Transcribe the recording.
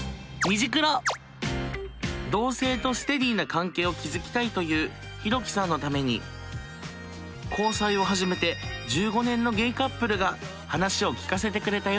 同性とステディーな関係を築きたいというヒロキさんのために交際を始めて１５年のゲイカップルが話を聞かせてくれたよ。